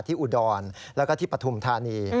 ที่อุดรณ์และก็ที่พธุมธานี